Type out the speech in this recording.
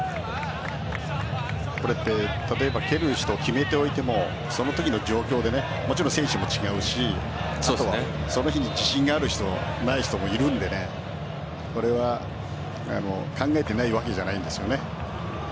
例えば、蹴る人を決めておいてもそのときの状況で選手も違うしその日に自信がある人ない人もいるのでこれは考えてないわけじゃないんですよね。